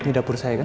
ini dapur saya kan